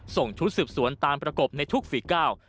ส่งชุดสืบสวนตามประกบในทุกฝีก้าว